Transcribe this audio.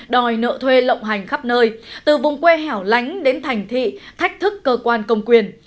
đòi nợ thuê lộng hành khắp nơi từ vùng quê hẻo lánh đến thành thị thách thức cơ quan công quyền